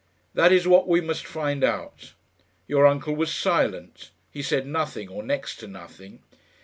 "That is what we must find out. Your uncle was silent. He said nothing, or next to nothing."